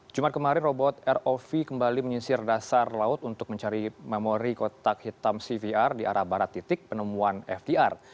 jumat kemarin robot rov kembali menyisir dasar laut untuk mencari memori kotak hitam cvr di arah barat titik penemuan fdr